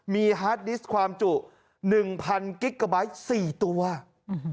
มีฮาร์ดดิสต์ความจุหนึ่งพันกิ๊กเกอร์ไบท์สี่ตัวอืม